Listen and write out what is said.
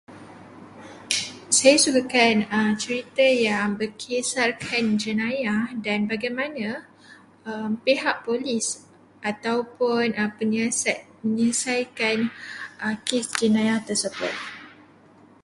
Saya sukakan cerita yang berkisarkan jenayah dan bagaimana pihak polis ataupun penyiasat menyelesaikan kes jenayah tersebut.